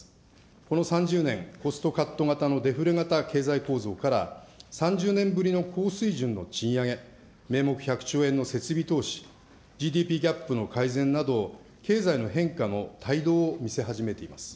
この３０年、コストカット型のデフレ型経済構造から、３０年ぶりの高水準の賃上げ、名目１００兆円の設備投資、ＧＤＰギャップの改善など、経済の変化のたいどうを見せ始めています。